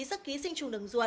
giấc ký sinh chủng đường ruột